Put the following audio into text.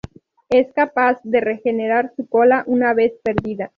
Es capaz de regenerar su cola una vez perdida.